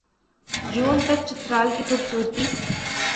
جون تک چترال کی خوبصورتی